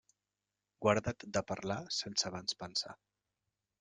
Guarda't de parlar, sense abans pensar.